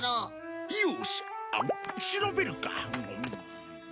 よし調べるか。